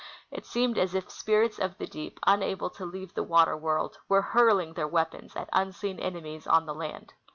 It seemed as if si:»irits of the deep, unable to leaA'e the Avater world, Avere hurling their Aveapons at unseen enemies on the land.